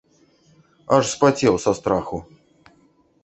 Аж спацеў са страху!